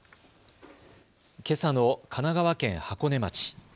けさの神奈川県箱根町。